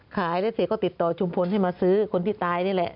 ขายแล้วเสร็จก็ติดต่อชุมพลให้มาซื้อคนที่ตายนี่แหละ